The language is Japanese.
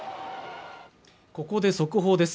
ここで速報です。